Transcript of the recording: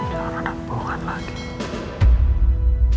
biar ada kebohongan lagi